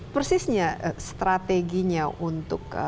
persisnya strateginya untuk